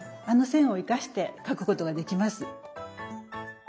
あの線を生かして描くことができます。